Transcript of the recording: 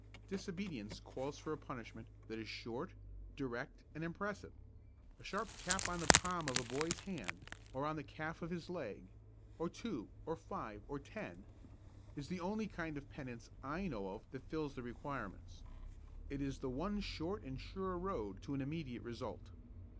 Disobedience calls for a punishment that is short, direct and impressive. A sharp tap on the palm of a boy's hand, or on the calf of his leg or two or five or ten is the only kind of penance I know of that fills the requirements. It is the one short and sure road to an immediate result.